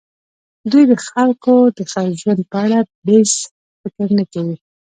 دوی د خلکو د ژوند په اړه بېڅ فکر نه کوي.